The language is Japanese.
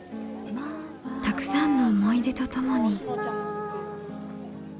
たくさんの思い出とともに。